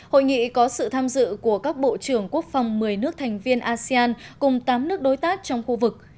hội nghị có sự tham dự của các bộ trưởng quốc phòng một mươi nước thành viên asean cùng tám nước đối tác trong khu vực